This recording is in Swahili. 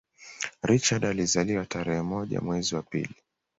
Richard alizaliwa tarehe moja mwezi wa pili